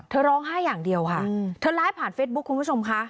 ร้องไห้อย่างเดียวค่ะเธอไลฟ์ผ่านเฟซบุ๊คคุณผู้ชมค่ะ